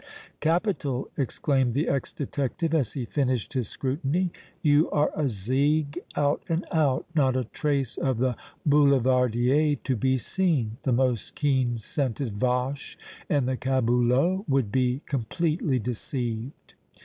"Capital!" exclaimed the ex detective, as he finished his scrutiny. "You are a zigue out and out! Not a trace of the boulevardier to be seen! The most keen scented vache in the caboulot would be completely deceived!"